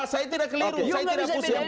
saya tidak keliru saya tidak pusing